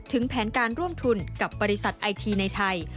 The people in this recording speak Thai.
ถึงแผนการร่วมทุนกับบริษัทไอทีในไทย